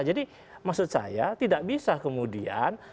maksud saya tidak bisa kemudian